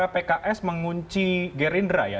dan itu adalah cara pks mengunci gerindra ya